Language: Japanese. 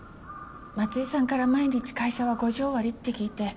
松井さんから毎日会社は５時終わりって聞いて。